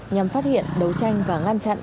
nhằm phát hiện đấu tranh và ngăn chặn